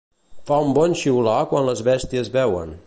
Fa de bon xiular quan les bèsties beuen.